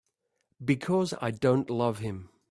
Because I don't love him.